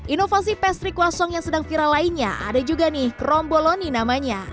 inovasi pastry kwasong yang sedang viral lainnya ada juga nih kromboloni namanya